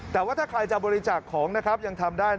แต่ว่าถ้าใครจะบริจาคของนะครับยังทำได้